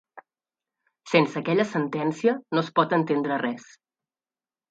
Sense aquella sentència no es pot entendre res.